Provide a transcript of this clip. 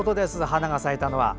花が咲いたのは。